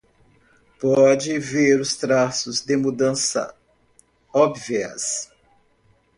Pode ver os traços de mudanças óbvias